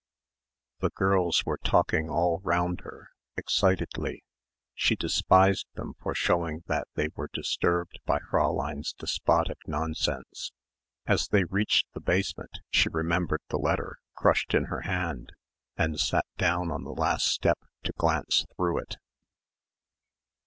The girls were talking all round her, excitedly. She despised them for showing that they were disturbed by Fräulein's despotic nonsense. As they reached the basement she remembered the letter crushed in her hand and sat down on the last step to glance through it.